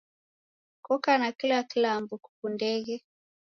Koko na kila kilambo kukundeghe?